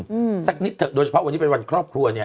อืมสักนิดเถอะโดยเฉพาะวันนี้เป็นวันครอบครัวเนี้ย